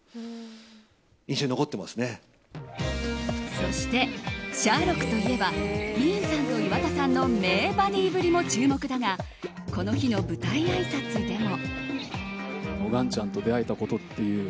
そして「シャーロック」といえばディーンさんと岩田さんの名バディぶりも注目だがこの日の舞台あいさつでも。